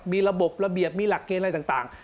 มีระบบระเบียบมีหลักเกณฑ์อะไรต่าง